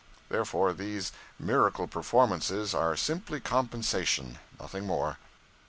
Therefore these miracle performances are simply compensation, nothing more.